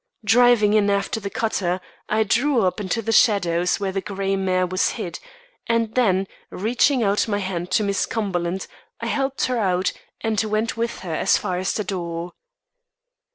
Driving in after the cutter, I drew up into the shadows where the grey mare was hid, and then, reaching out my hand to Miss Cumberland, I helped her out, and went with her as far as the door.